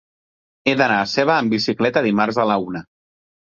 He d'anar a Seva amb bicicleta dimarts a la una.